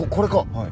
はい。